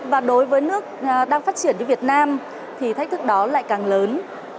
và đối với nước đang phát triển như việt nam thì thách thức đó lại càng lớn